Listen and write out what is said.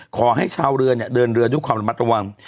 ขอให้ชาวเรือเนี่ยเดินเรือด้วยความระมัดระวัง